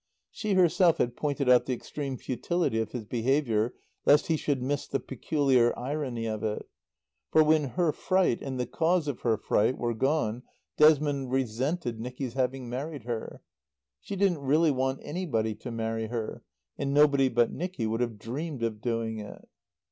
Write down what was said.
She herself had pointed out the extreme futility of his behaviour, lest he should miss the peculiar irony of it. For when her fright and the cause of her fright were gone Desmond resented Nicky's having married her. She didn't really want anybody to marry her, and nobody but Nicky would have dreamed of doing it.